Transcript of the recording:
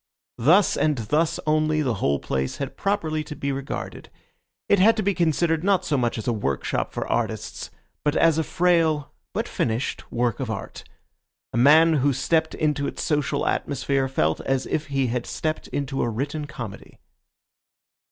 Thus, and thus only, the whole place had properly to be regarded; it had to be considered not so much as a workshop for artists, but as a frail but finished work of art. A man who stepped into its social atmosphere felt as if he had stepped into a written comedy.